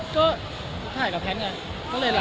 ก็ถ่ายกับแพทย์ไงก็เลยละ